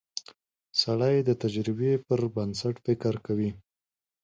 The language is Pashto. سړی د تجربې پر بنسټ فکر کوي